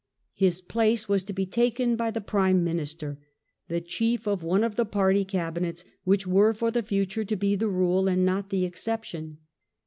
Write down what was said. His place was to be taken by the prime minister, the chief of one of the party cabinets which were for the future to be the rule and not the exception.